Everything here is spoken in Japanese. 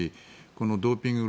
このドーピング